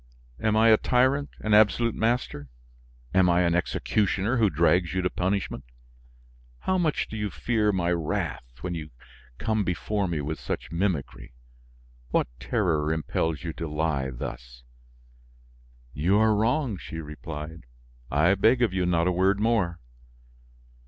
Am I a tyrant, an absolute master? Am I an executioner who drags you to punishment? How much do you fear my wrath when you come before me with such mimicry? What terror impels you to lie thus?" "You are wrong," she replied; "I beg of you, not a word more."